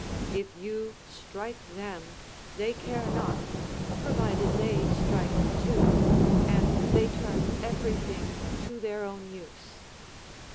If you strike them, they care not, provided they strike too, and they turn every thing to their own use.